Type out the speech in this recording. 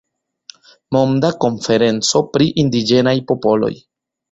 Monda Konferenco pri Indiĝenaj Popoloj.